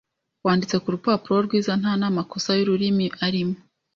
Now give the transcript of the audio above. Wanditse ku rupapuro rwiza nta n’amakosa y’ururimi arimo.